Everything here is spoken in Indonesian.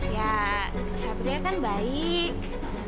ya satria kan baik